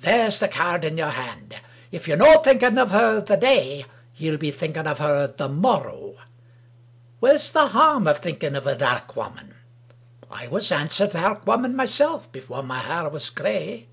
there's the caird in your hand ! If ye're no thinking of her the day, ye'U be thinking of her the morrow. Where's the harm of thinking of a dairk woman! I was ance a dairk woman myself, before my hair was gray.